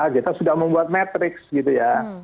kita sudah membuat matrix gitu ya